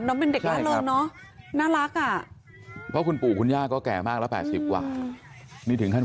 น้องเป็นเด็กลาดลงนะ